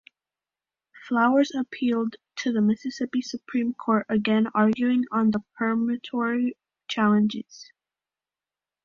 Flowers appealed to the Mississippi Supreme Court again arguing on the peremptory challenges.